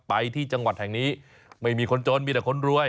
ไปที่จังหวัดแห่งนี้ไม่มีคนจนมีแต่คนรวย